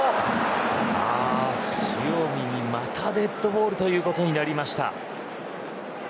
塩見にまたデッドボールということになりました。